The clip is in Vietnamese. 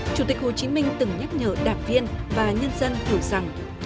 chủ tịch hồ chí minh từng nhắc nhở đạp viên và nhân dân thử rằng